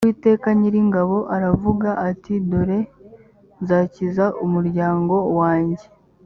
uwiteka nyiringabo aravuga ati dore nzakiza umuryango wanjye